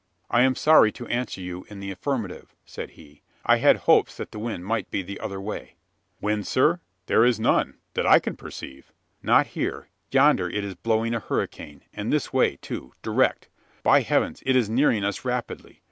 "I am sorry to answer you in the affirmative," said he: "I had hopes that the wind might be the other way." "Wind, sir? There is none that I can perceive." "Not here. Yonder it is blowing a hurricane, and this way too direct. By heavens! it is nearing us rapidly!